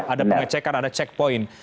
ada pengecekan ada checkpoint